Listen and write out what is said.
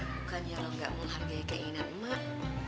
bukannya lo enggak mau harganya keinginan emak